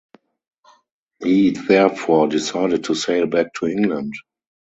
He therefore decided to sail back to England.